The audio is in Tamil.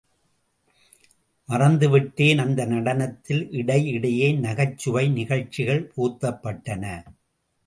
மறந்துவிட்டேன் அந்த நடனத்தில் இடையிடையே நகைச்சுவை நிகழ்ச்சிகள் புகுத்தப்பட்டன.